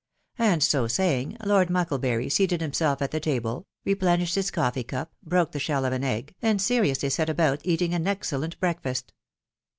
*' And, so saying; Lord Mucklebury seated himself at the table, replenished his coffee cup, broke the shell of an egg, and seriously set about eating an excellent breakfast.